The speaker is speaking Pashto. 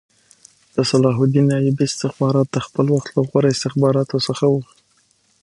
د صلاح الدین ایوبي استخبارات د خپل وخت له غوره استخباراتو څخه وو